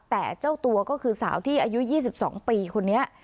แต่เจ้าตัวก็คือสาวที่อายุ๒๒ปีคนนี้